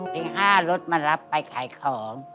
ตี๕รถมารับไปขายของ